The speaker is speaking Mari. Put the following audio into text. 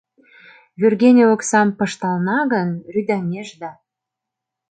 Вӱргене оксам пыштална гын, рӱдаҥеш да